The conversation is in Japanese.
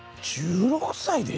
１６歳で？